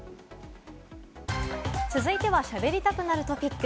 続いてはしゃべりたくなるトピック。